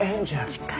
近い。